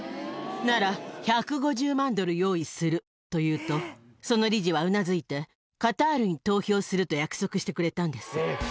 なら１５０万ドル用意すると言うと、その理事はうなずいて、カタールに投票すると約束してくれたんです。